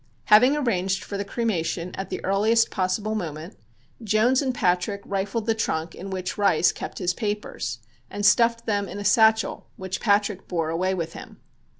Having arranged for the cremation at the earliest possible moment, Jones and Patrick rifled the trunk in which Rice kept his papers, and stuffed them in a satchel which Patrick bore away with him.